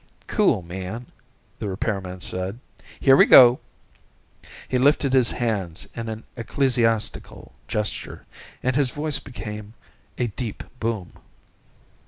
"Cool, man," the repairman said. "Here we go." He lifted his hands in an ecclesiastical gesture, and his voice became a deep boom.